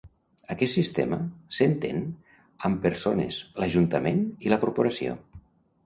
Aquest sistema s'estén amb persones, l'ajuntament, i la corporació.